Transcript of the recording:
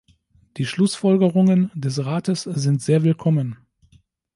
Die Schlussfolgerungen des Rates sind sehr willkommen.